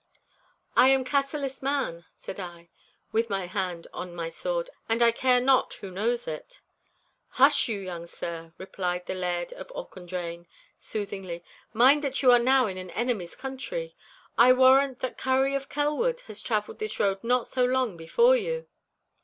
'I am Cassillis man,' said I, with my hand on my sword, 'and I care not who knows it.' 'Hush you, young sir,' replied the Laird of Auchendrayne, soothingly, 'mind that you are now in an enemy's country. I warrant that Currie of Kelwood has travelled this road not so long before you.